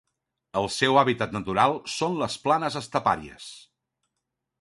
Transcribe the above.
El seu hàbitat natural són les planes estepàries.